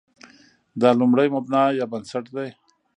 دا لومړی مبنا یا بنسټ دی.